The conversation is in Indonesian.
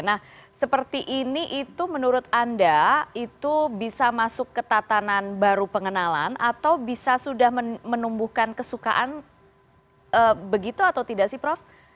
nah seperti ini itu menurut anda itu bisa masuk ke tatanan baru pengenalan atau bisa sudah menumbuhkan kesukaan begitu atau tidak sih prof